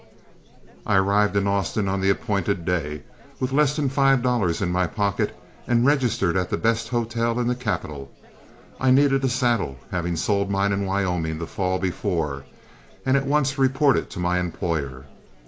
I arrived in Austin on the appointed day, with less than five dollars in my pocket, and registered at the best hotel in the capital. I needed a saddle, having sold mine in Wyoming the fall before, and at once reported to my employer.